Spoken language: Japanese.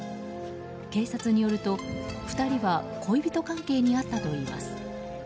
警察によると、２人は恋人関係にあったといいます。